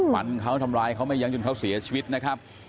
ฟันเขาทำร้ายเขาไม่ยั้งจนเขาเสียชีวิตนะครับ